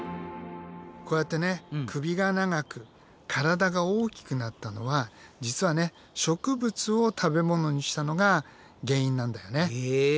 こうやってね首が長く体が大きくなったのは実はね植物を食べ物にしたのが原因なんだよね。